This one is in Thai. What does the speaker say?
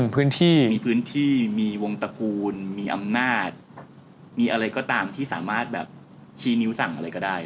พื้นที่มีพื้นที่มีวงตระกูลมีอำนาจมีอะไรก็ตามที่สามารถแบบชี้นิ้วสั่งอะไรก็ได้